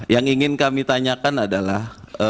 yang ingin kami tanyakan adalah